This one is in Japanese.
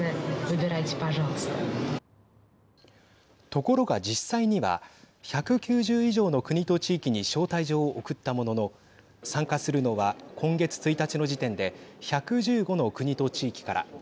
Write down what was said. ところが実際には１９０以上の国と地域に招待状を送ったものの参加するのは今月１日の時点で１１５の国と地域から。